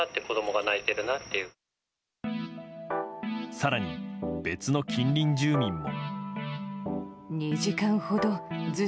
更に、別の近隣住民も。